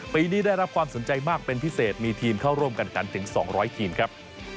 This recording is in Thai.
ปีนี้ได้รับความสนใจมากเป็นพิเศษมีทีมเข้าร่วมกันกันถึง๒๐๐ทีมครับ